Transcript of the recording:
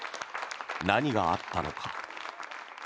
何があったのか。